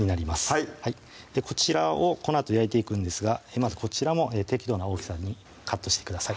はいこちらをこのあと焼いていくんですがこちらも適度な大きさにカットしてください